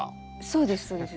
そうですそうです。